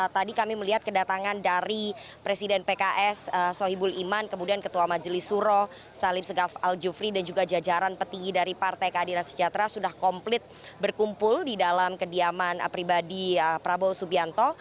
tadi kami melihat kedatangan dari presiden pks sohibul iman kemudian ketua majelis suro salim segaf al jufri dan juga jajaran petinggi dari partai keadilan sejahtera sudah komplit berkumpul di dalam kediaman pribadi prabowo subianto